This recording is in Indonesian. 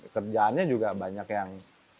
kerjaannya juga banyak yang